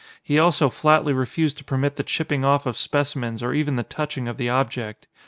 He also flatly refused to permit the chipping off of specimens or even the touching of the object.